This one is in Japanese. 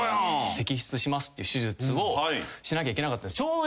摘出しますって手術をしなきゃいけなかった。